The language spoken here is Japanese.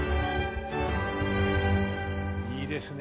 いいですね。